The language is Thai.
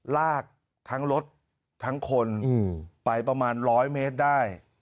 ลากทั้งรถทั้งคนไปประมาณ๑๐๐เมตรได้